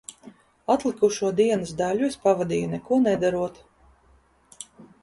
Atlikušo dienas daļu es pavadīju neko nedarot.